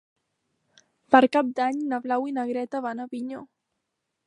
Per Cap d'Any na Blau i na Greta van a Avinyó.